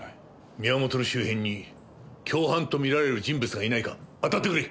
宮本の周辺に共犯と見られる人物がいないか当たってくれ！